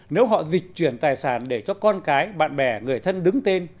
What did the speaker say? nếu họ dịch chuyển tài sản để cho con cái bạn bè người thân đứng tên